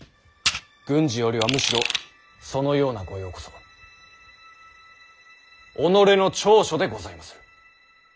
軍事よりはむしろそのような御用こそ己の長所でございまする。